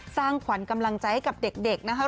สร้างขวัญกำลังใจให้กับเด็กนะคะ